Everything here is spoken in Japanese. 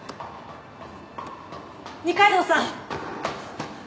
二階堂さん！